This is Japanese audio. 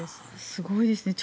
すごいですね。